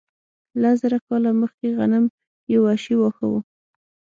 لس زره کاله مخکې غنم یو وحشي واښه و.